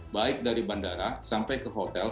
baik dari bandara sampai ke hotel